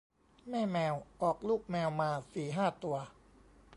แม่แมวออกลูกแมวมาสี่ห้าตัว